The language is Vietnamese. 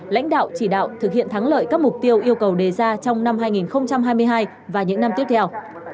lãnh đạo chỉ đạo thực hiện thắng lợi các mục tiêu yêu cầu đề ra trong năm hai nghìn hai mươi hai và những năm tiếp theo